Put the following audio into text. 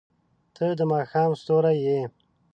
• ته د ماښام ستوری یې.